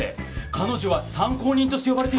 彼女は参考人として呼ばれているんですよね？